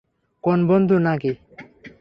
কোন বন্ধু না কী?